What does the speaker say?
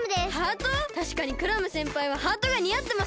たしかにクラムせんぱいはハートがにあってますね！